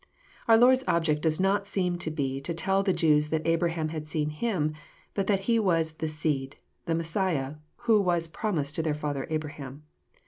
— Our Lord's object does not seem to be to tell the Jews that Abraham had seen Him, but that He was '' the Seed," the Messiah, who was promised to their father Abraham.